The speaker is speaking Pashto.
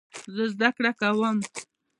زه زده کړه کوم.